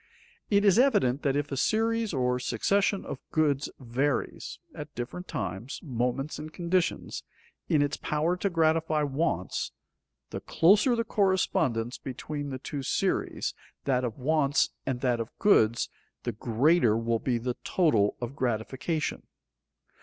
_ It is evident that if a series or succession of goods varies, at different times, moments, and conditions, in its power to gratify wants, the closer the correspondence between the two series, that of wants and that of goods, the greater will be the total of gratification.